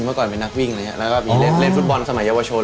เมื่อก่อนเป็นนักวิ่งกรียร์เล่นฟุตบอลสมัยเยาวชน